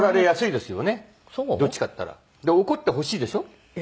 で怒ってほしいでしょ？